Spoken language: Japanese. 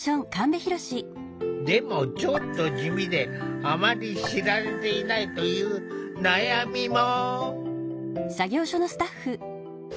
でもちょっと地味であまり知られていないという悩みも。